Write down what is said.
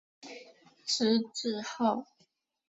知制诰。